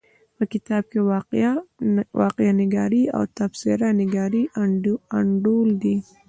په کتاب کې واقعه نګاري او تبصره نګاري انډول دي.